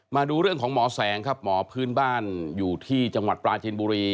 มาดูเรื่องของหมอแสงครับหมอพื้นบ้านอยู่ที่จังหวัดปราจินบุรี